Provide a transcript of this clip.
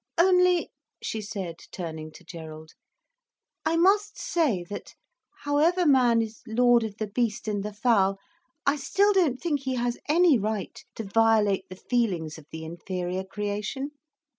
"Only," she said, turning to Gerald, "I must say that, however man is lord of the beast and the fowl, I still don't think he has any right to violate the feelings of the inferior creation.